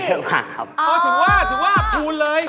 อ๋อถือว่าถือว่าคูณเลย